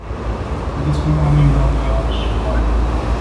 一個蔥花麵包都要二十塊了！